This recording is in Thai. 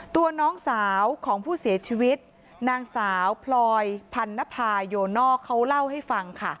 ตัวน้องสาวของผู้เสียชีวิตนางสาวพลอยพันนภาโยนอกเขาเล่าให้ฟังค่ะ